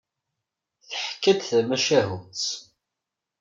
Teḥka-d tamacahut.